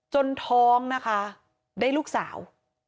จนท้องนะคะได้ลูกสาว